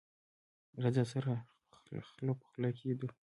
راځه، سره خله په خله کېنو.